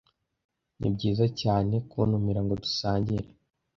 Nibyiza cyane kuntumira ngo dusangire.